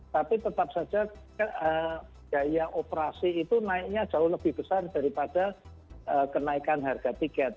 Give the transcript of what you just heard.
tapi tetap saja biaya operasi itu naiknya jauh lebih besar daripada kenaikan harga tiket